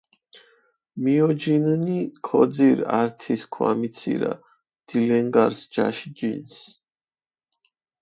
მიოჯინჷნი, ქოძირჷ ართი სქვამი ცირა დილენგარს ჯაში ჯინს.